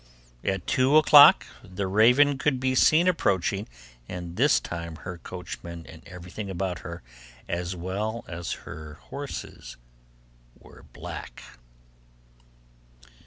At two o'clock the raven could be seen approaching, and this time her coachman and everything about her, as well as her horses, were black.